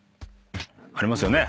ありますよね？